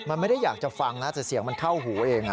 มันไม่ได้อยากจะฟังนะแต่เสียงมันเข้าหูเอง